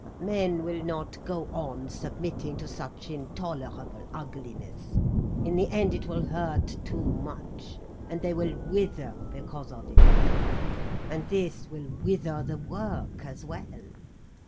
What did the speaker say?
Men will not go on submitting to such intolerable ugliness. In the end it will hurt too much, and they will wither because of it. And this will wither the work as well.